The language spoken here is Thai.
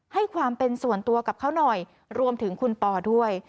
ให้ความเป็นส่วนตัวกับเขาหน่อยรวมถึงคุณปอด้วย